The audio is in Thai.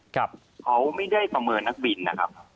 เขาไม่ได้ประเมินนักบินนะครับ